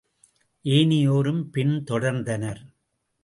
ஏனையோரும் பின் தொடர்ந்தனர்.